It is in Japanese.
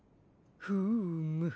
フーム。